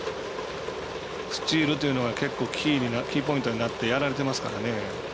スチールというのが結構キーポイントになってやられてますから。